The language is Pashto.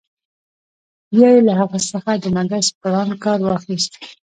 بیا يې له هغه څخه د مګس پران کار اخیست.